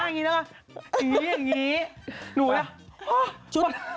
ท่านี้นะคะท่านี้อย่างงี้หนูเนี่ย